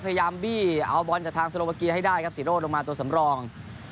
พยายามบี้เอาบอลจากทางโซโลวาเกียให้ได้ครับศิโร่ลงมาตัวสำรอง